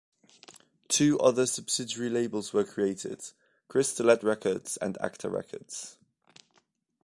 Two other subsidiary labels were created: Crystalette Records and Acta Records.